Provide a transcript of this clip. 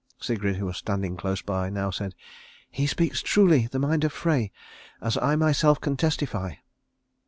Sigrid, who was standing close by, now said, "He speaks truly the mind of Frey, as I myself can testify."